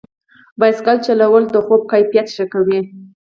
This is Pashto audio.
بایسکل چلول د خوب کیفیت ښه کوي.